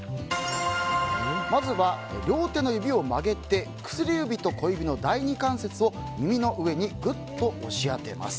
まずは両手の指を曲げて薬指と小指の第２関節を耳の上にグッと押し当てます。